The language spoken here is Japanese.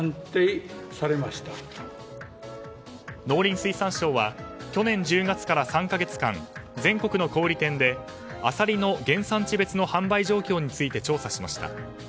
農林水産省は去年１０月から３か月間全国の小売店でアサリの原産地別の販売状況について調査しました。